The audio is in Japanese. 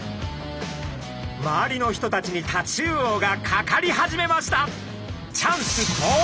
周りの人たちにタチウオがかかり始めました。